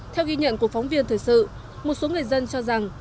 theo ghi nhận của phóng viên thời sự một số người dân cho rằng